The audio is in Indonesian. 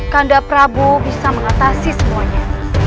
kandap prabu bisa mengatasi semuanya